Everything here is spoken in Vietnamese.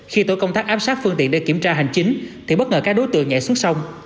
khi tổ công tác áp sát phương tiện để kiểm tra hành chính thì bất ngờ các đối tượng nhảy xuống sông